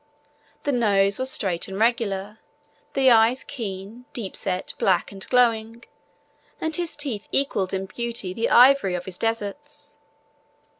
The nose was straight and regular, the eyes keen, deep set, black, and glowing, and his teeth equalled in beauty the ivory of his deserts.